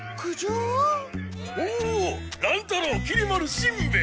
お乱太郎きり丸しんべヱ。